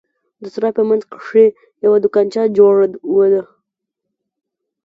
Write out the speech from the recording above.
د سراى په منځ کښې يوه دوکانچه جوړه وه.